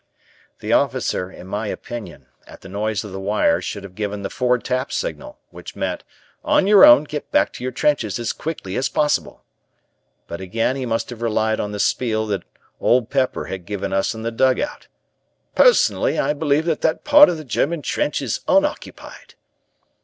The officer, in my opinion, at the noise of the wire should have given the four tap signal, which meant, "On your own, get back to your trenches as quickly as possible," but again he must have relied on the spiel that Old Pepper had given us in the dugout, "Personally I believe that that part of the German trench is unoccupied."